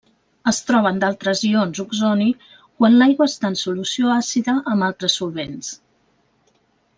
Es troben d'altres ions oxoni quan l'aigua està en solució àcida amb altres solvents.